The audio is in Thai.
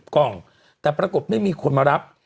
กล่องแต่ปรากฏไม่มีคนมารับ